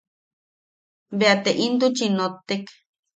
Bea te intuchi notek.